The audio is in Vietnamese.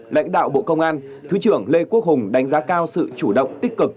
lãnh đạo bộ công an thứ trưởng lê quốc hùng đánh giá cao sự chủ động tích cực